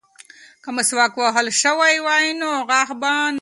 که مسواک وهل شوی وای نو غاښ به نه ووتلی.